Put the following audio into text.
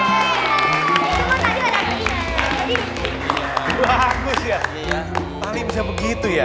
tali bisa begitu ya